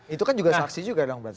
itu kan juga saksi juga dong berarti